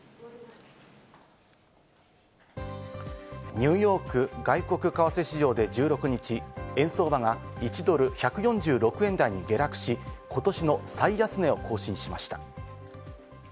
ニューヨーク外国為替市場で１６日、円相場が１ドル＝１４６円台に下落し、ことしの最安値を更新しました。